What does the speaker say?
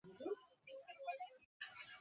Sir, please যেতে দিন।